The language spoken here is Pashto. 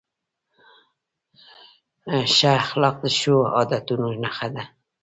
ښه اخلاق د ښو عادتونو نښه ده.